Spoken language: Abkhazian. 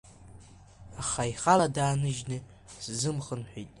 Аха ихала дааныжьны сзымхынҳәит…